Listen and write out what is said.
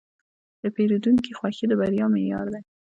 د پیرودونکي خوښي د بریا معیار دی.